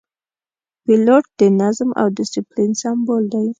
پیلوټ د نظم او دسپلین سمبول دی.